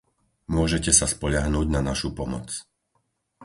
Môžete sa spoľahnúť na našu pomoc.